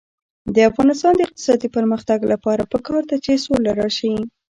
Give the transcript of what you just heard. د افغانستان د اقتصادي پرمختګ لپاره پکار ده چې سوله راشي.